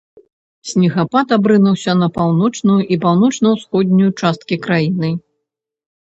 Снегапад абрынуўся на паўночную і паўночна-ўсходнюю часткі краіны.